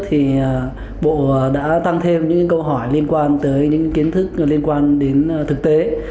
thì bộ đã tăng thêm những câu hỏi liên quan tới những kiến thức liên quan đến thực tế